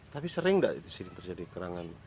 tapi sering enggak disini terjadi kerangan